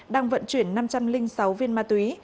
đang vận chuyển năm trăm linh sáu viên ma túy